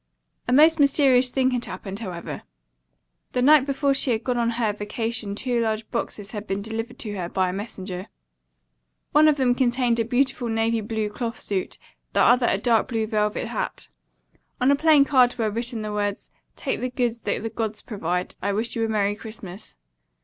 A most mysterious thing had happened, however. The night before she had gone on her vacation two large boxes had been delivered to her by a messenger. One of them contained a beautiful navy blue cloth suit, the other a dark blue velvet hat. On a plain card were written the words, "'Take the goods the gods provide.' I Wish you a Merry Christmas."